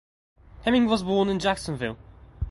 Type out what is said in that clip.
Hemming was born in Jacksonville.